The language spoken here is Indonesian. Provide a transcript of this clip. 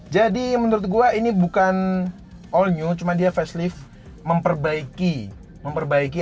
jadi menurut gua ini bukan all new cuman dia facelift memperbaiki